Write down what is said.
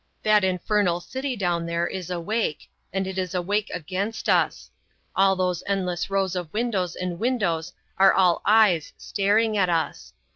That infernal city down there is awake; and it is awake against us. All those endless rows of windows and windows are all eyes staring at us.